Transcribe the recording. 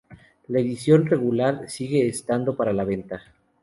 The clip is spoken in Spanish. La edición regular sigue estando para la venta.